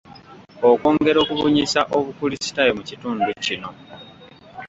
Okwongera okubunyisa obukulisitaayo mu kitundu kino.